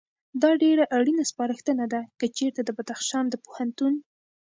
دا ډېره اړینه سپارښتنه ده، که چېرته د بدخشان د پوهنتون